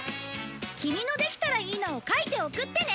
キミのできたらいいなを描いて送ってね！